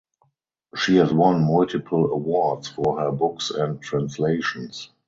She has won multiple awards for her books and translations.